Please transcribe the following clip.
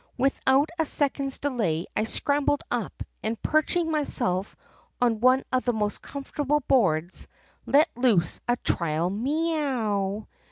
"Without a second's delay I scrambled up, and perching myself on one of the most comfortable boards, let loose a trial 'mee ow!